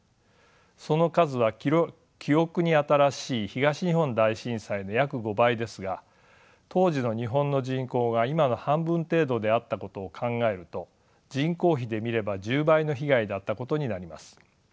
その数は記憶に新しい東日本大震災の約５倍ですが当時の日本の人口が今の半分程度であったことを考えると人口比で見れば１０倍の被害だったことになります。